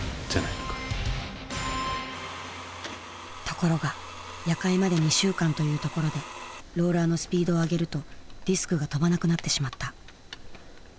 ところが夜会まで２週間というところでローラーのスピードを上げるとディスクが飛ばなくなってしまった。